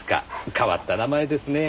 変わった名前ですねえ。